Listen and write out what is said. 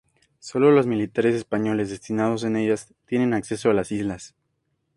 Solo los militares españoles destinados en ellas tienen acceso a las islas.